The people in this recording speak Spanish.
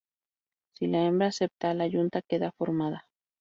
Si la hembra acepta, la yunta queda formada.